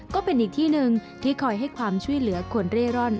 ก็เป็นอีกที่หนึ่งที่คอยให้ความช่วยเหลือคนเร่ร่อน